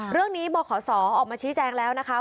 เรื่องนี้บขศออกมาชี้แจ้งแล้วนะคะ